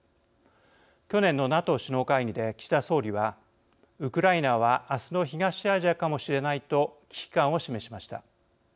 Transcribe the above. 去年のＮＡＴＯ首脳会議で岸田総理は「ウクライナは明日の東アジアかもしれない」と危機感を示しました。